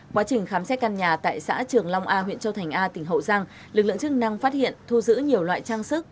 quá trình khám xét căn nhà tại xã trường long a huyện châu thành a tỉnh hậu giang lực lượng chức năng phát hiện thu giữ nhiều loại trang sức